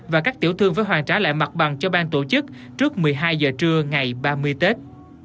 và các tiểu thương phải hoàn trả lại mặt bằng cho ban tổ chức trước một mươi hai giờ trưa ngày ba mươi tết